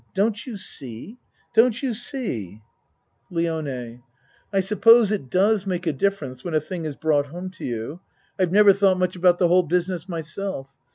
Don't you see? Don't you see? 94 A MAN'S WORLD LIONE I suppose it does make a difference when a thing is brought home to you. I've never thought much about the whole business myself.